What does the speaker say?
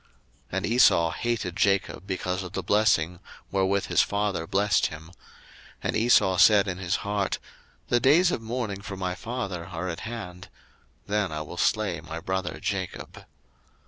01:027:041 And Esau hated Jacob because of the blessing wherewith his father blessed him: and Esau said in his heart, The days of mourning for my father are at hand; then will I slay my brother Jacob.